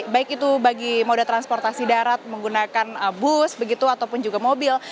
baik itu bagi moda transportasi darat menggunakan bus begitu ataupun juga mobil